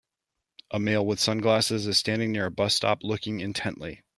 A male with sunglasses is standing near a bus stop looking intently.